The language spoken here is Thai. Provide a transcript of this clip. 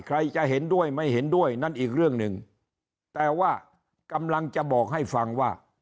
ใครจะเห็นด้วยไม่เห็นด้วยนั่นอีกเรื่องหนึ่งแต่ว่ากำลังจะบอกให้ฟังว่า